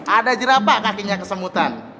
ada jerapa kakinya kesemutan